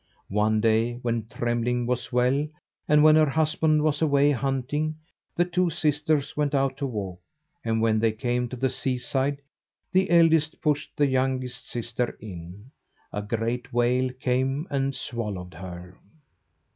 One day, when Trembling was well, and when her husband was away hunting, the two sisters went out to walk; and when they came to the seaside, the eldest pushed the youngest sister in. A great whale came and swallowed her.